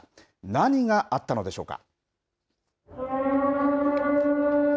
何があったのでしょうか。